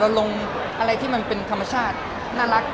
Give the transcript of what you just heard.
ลงอะไรที่มันเป็นธรรมชาติน่ารัก